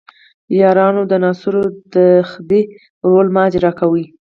یارانو د ناصرو د خدۍ رول مه اجراء کوئ.